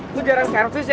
lo jarang servis ya